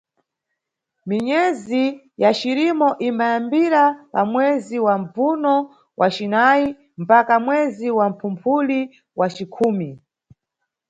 Minyezi ya Cirimo imbayambira pa mwezi wa Mbvuno wacinayi mpaka mwezi wa Phumphuli wacikhumi.